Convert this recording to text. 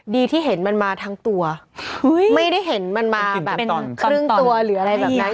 ที่เห็นมันมาทั้งตัวไม่ได้เห็นมันมาแบบเป็นครึ่งตัวหรืออะไรแบบนั้น